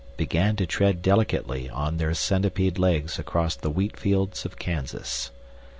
began to tread delicately on their centipede legs across the wheat fields of Kansas.